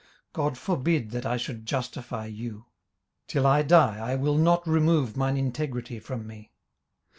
18:027:005 God forbid that I should justify you: till I die I will not remove mine integrity from me.